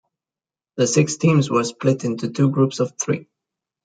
The six teams were split into two groups of three.